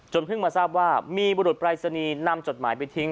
เพิ่งมาทราบว่ามีบุรุษปรายศนีย์นำจดหมายไปทิ้ง